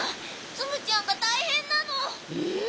ツムちゃんがたいへんなの。えっ！？